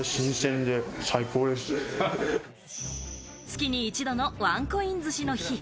月に一度のワンコイン寿司の日。